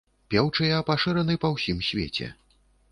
Пеўчыя пашыраны па ўсім свеце.